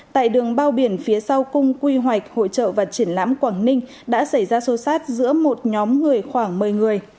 tại đường bao biển phía sau cung quy hoạch hội trợ và triển lãm quảng ninh đã xảy ra xô xát giữa một nhóm người khoảng một mươi người